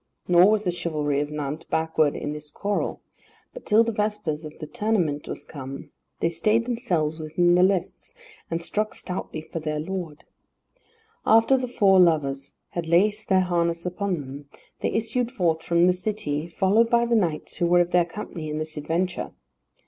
Nor was the chivalry of Nantes backward in this quarrel, but till the vespers of the tournament was come, they stayed themselves within the lists, and struck stoutly for their lord. After the four lovers had laced their harness upon them, they issued forth from the city, followed by the knights who were of their company in this adventure.